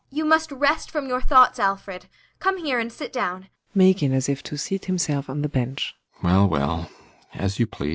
] You must rest from your thoughts, Alfred. Come here and sit down. ALLMERS. [Making as if to seat himself on the bench.